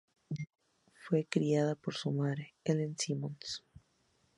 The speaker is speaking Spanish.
Fue criada por su madre, Ellen Simmons.